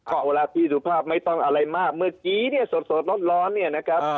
เอาล่ะพี่สุภาพไม่ต้องอะไรมากเมื่อกี้เนี่ยสดร้อนเนี่ยนะครับ